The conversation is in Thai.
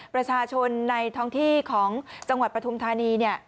ประชาชนในท้องที่ของจังหวัดประทุมธานี